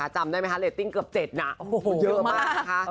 จำได้ไหมคะเล็ตติ้งเกือบเจ็ดน่ะเยอะมาก